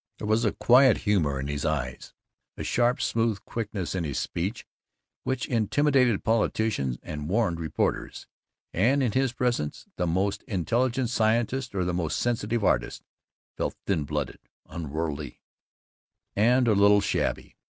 There was a quiet humor in his eyes, a syrup smooth quickness in his speech, which intimidated politicians and warned reporters; and in his presence the most intelligent scientist or the most sensitive artist felt thin blooded, unworldly, and a little shabby.